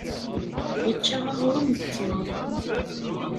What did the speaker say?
Yečča aɣrum d tmeṛ